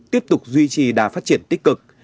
tiếp tục duy trì đà phát triển tích cực